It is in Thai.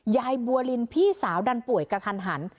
ยายบัวลินพี่สาวดันป่วยกระทันหัน